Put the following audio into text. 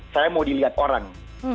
saya mau dilihat orang